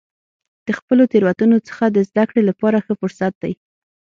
د خپلو تیروتنو څخه د زده کړې لپاره ښه فرصت دی.